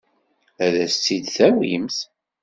Ad as-tt-id-tawimt?